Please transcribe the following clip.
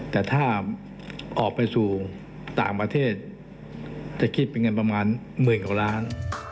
แต่ถ้าออกไปสู่ต่างประเทศจะคิดเป็นเงินประมาณหมื่นกว่าล้าน